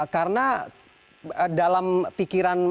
karena dalam pikiran